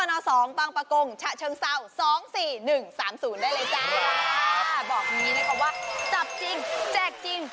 บอกอย่างนี้นะคะว่าจับจริงแจกจริง